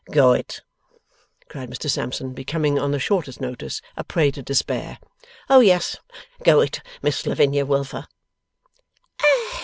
'Go it!' cried Mr Sampson, becoming, on the shortest notice, a prey to despair. 'Oh yes! Go it, Miss Lavinia Wilfer!